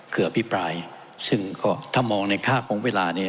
คืออภิปรายซึ่งก็ถ้ามองในค่าของเวลานี้